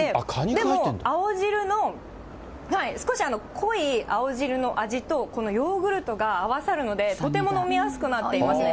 でも青汁の、少し濃い青汁の味と、このヨーグルトが合わさるので、とても飲みやすくなっていますね。